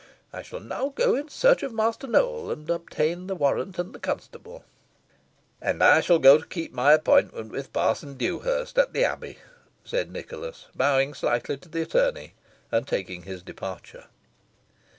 I shall now go in search of Master Nowell, and obtain the warrant and the constable." "And I shall go keep my appointment with Parson Dewhurst, at the Abbey," said Nicholas, bowing slightly to the attorney, and taking his departure.